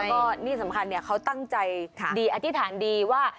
ก็ที่สำคัญเขาตั้งใจดีอธิษฐานดีว่า